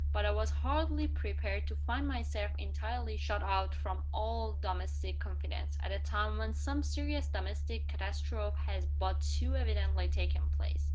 But I was hardly prepared to find myself entirely shut out from all domestic confidence, at a time when some serious domestic catastrophe has but too evidently taken place.